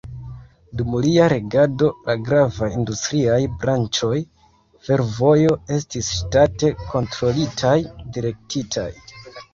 Dum lia regado, la gravaj industriaj branĉoj, fervojo estis ŝtate kontrolitaj, direktitaj.